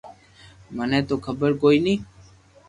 مني تو خبر ڪوئي ني